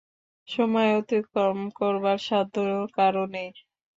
সময় অতিক্রম করবার সাধ্য কারো নেই।